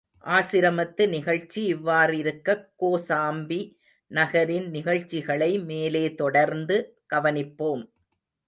ஆசிரமத்து நிகழ்ச்சி இவ்வாறிருக்கக் கோசாம்பி நகரின் நிகழ்ச்சிகளை மேலே தொடர்ந்து கவனிப்போம்.